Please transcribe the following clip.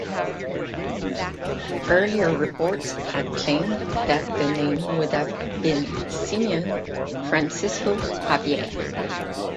Earlier reports had claimed that the name would have been Simeon Francisco Javier.